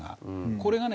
これがね